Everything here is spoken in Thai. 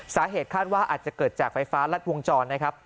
สาเหตุคาดว่าอาจจะเกิดจากไฟฟ้ารัดวงจรนะครับ